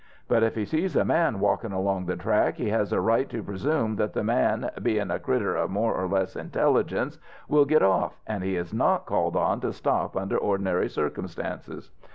But if he sees a man walkin' along the track he has a right to presume that the man, bein' a critter of more or less intelligence, will git off, an' he is not called on to stop under ordinary circumstances.